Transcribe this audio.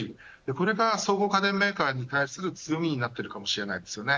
これが総合家電メーカーに対する強みになっているかもしれないですよね。